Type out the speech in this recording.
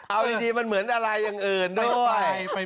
เอาดีมันเหมือนอะไรอย่างอื่นด้วยเข้าไป